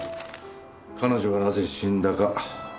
彼女がなぜ死んだか